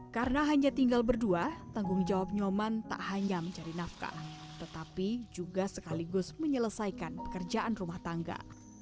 karena hanya tinggal berdua tanggung jawab nyoman tak hanya mencari nafkah tetapi juga sekaligus menyelesaikan pekerjaan rumah tangga